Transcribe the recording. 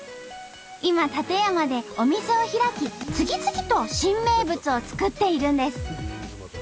今館山でお店を開き次々と新名物を作っているんです。